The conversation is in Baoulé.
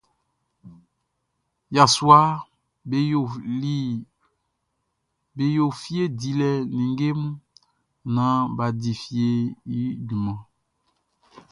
Yasuaʼm be yo fie dilɛ ninnge mun naan bʼa di fieʼn i junman.